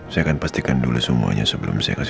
saya akan pastikan dulu semuanya sebelum saya ke rumah sakit